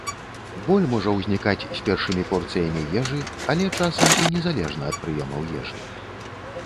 Боль можа ўзнікаць з першымі порцыямі ежы, але часам і незалежна ад прыёмаў ежы.